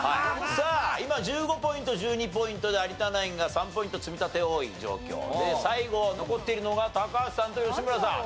さあ今１５ポイント１２ポイントで有田ナインが３ポイント積み立て多い状況で最後残っているのが高橋さんと吉村さん。